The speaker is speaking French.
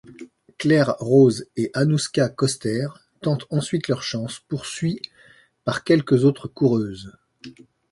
Claire Rose et Anouska Koster tentent ensuite leur chance, poursuit par quelques autres coureuses.